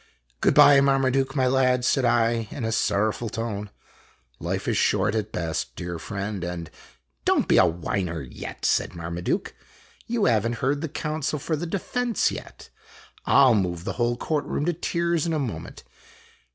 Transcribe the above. " Good by, Marmaduke, my lad," said I, in a sorrowful tone. "Life is short at best, dear friend, and " Don't be a whiner yet," said Marmaduke. " You have n't heard the counsel for the defense yet. I '11 move the whole court room to tears in a moment."